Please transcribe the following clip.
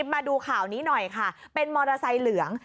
มาดูข่านี้หน่อยค่ะเป็นมอเวสไลิงศ์เหลือง